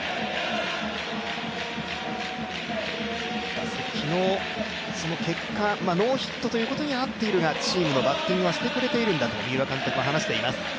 打席の結果、ノーヒットということにはなっているがチームのバッティングはしてくれているんだと三浦監督は話しています。